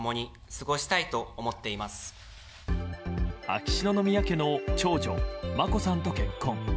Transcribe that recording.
秋篠宮家の長女・まこさんと結婚。